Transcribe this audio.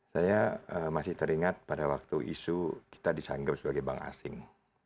saya masih teringat pada waktu isu kita disanggap sebagai bank asing